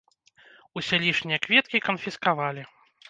Усе лішнія кветкі канфіскавалі.